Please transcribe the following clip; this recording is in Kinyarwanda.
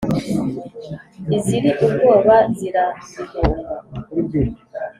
iziri ubwoba zirayihunga